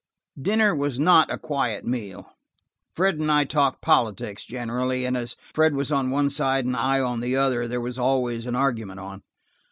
Dinner was not a quiet meal: Fred and I talked politics, generally, and as Fred was on one side and I on the other, there was always an argument on.